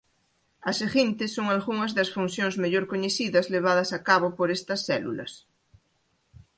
As seguintes son algunhas das funcións mellor coñecidas levadas a cabo por estas células.